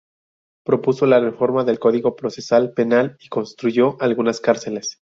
Propuso la reforma del Código Procesal Penal y construyó algunas cárceles.